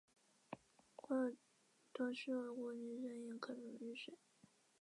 多数过氯酸盐可溶于水。